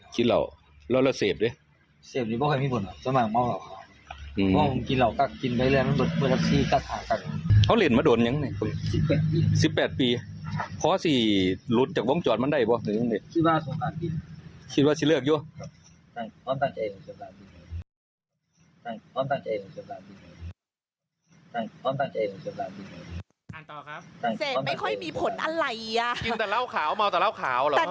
กินเหล่าครับคุณพี่ค่ะคุณพี่ค่ะคุณพี่ค่ะคุณพี่ค่ะคุณพี่ค่ะคุณพี่ค่ะคุณพี่ค่ะคุณพี่ค่ะคุณพี่ค่ะคุณพี่ค่ะคุณพี่ค่ะคุณพี่ค่ะคุณพี่ค่ะคุณพี่ค่ะคุณพี่ค่ะคุณพี่ค่ะคุณพี่ค่ะคุณพี่